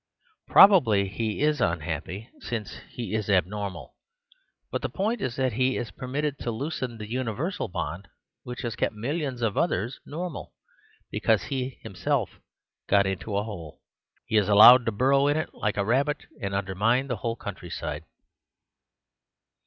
Probably he is unhappy, since he is abnormal ; but the point is that he is permitted to loosen the universal bond which has kept millions of others nor mal. Because he has himself got into a hole, he is allowed to burrow in it like a rabbit and undermine a whole countryside.